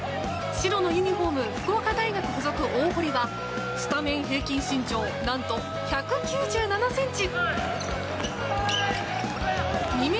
白のユニホーム福岡大学附属大濠はスタメン平均身長何と１９７ｃｍ！